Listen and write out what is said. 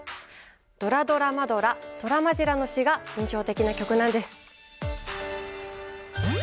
「ドラドラマドラトラマジラ」の詞が印象的な曲なんです！